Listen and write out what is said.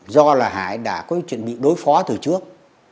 do là hải đã có chuẩn bị đối phó từ trước